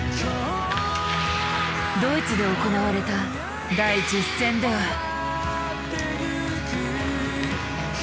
ドイツで行われた第１０戦では。